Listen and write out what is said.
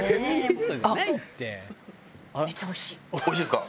おいしいですか？